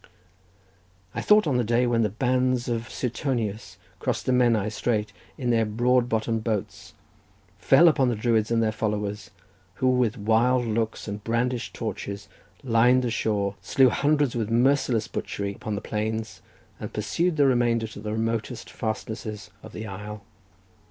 I thought on the day when the bands of Suetonius crossed the Menai strait in their broad bottomed boats, fell upon the Druids and their followers, who with wild looks and brandished torches lined the shore, slew hundreds with merciless butchery upon the plains, and pursued the remainder to the remotest fastnesses of the isle.